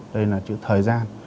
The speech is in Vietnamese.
đây là chữ thời gian